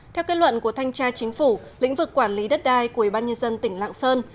theo kết luận của thanh tra chính phủ lĩnh vực quản lý đất đai của ủy ban nhân dân tỉnh lạng sơn